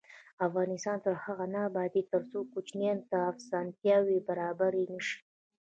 افغانستان تر هغو نه ابادیږي، ترڅو کوچیانو ته اسانتیاوې برابرې نشي.